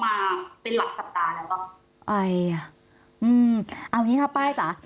อืมเอาอย่างนี้ครับป้ายจ๋า